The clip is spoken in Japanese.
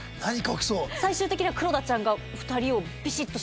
最終的には黒田ちゃんが。